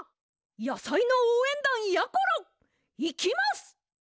やさいのおうえんだんやころいきます！